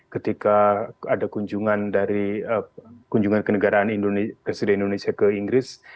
ketika ada kunjungan dari kunjungan kenegaraan indonesia ke inggris